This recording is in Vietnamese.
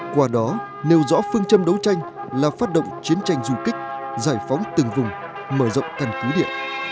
qua đó nêu rõ phương châm đấu tranh là phát động chiến tranh du kích giải phóng từng vùng mở rộng căn cứ địa